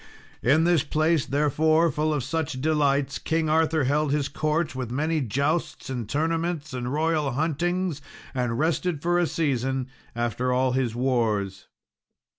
In this place, therefore, full of such delights, King Arthur held his court, with many jousts and tournaments, and royal huntings, and rested for a season after all his wars.